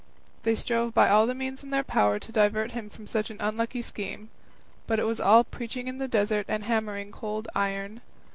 They strove by all the means in their power to divert him from such an unlucky scheme; but it was all preaching in the desert and hammering cold iron.